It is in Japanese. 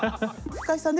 深井さん。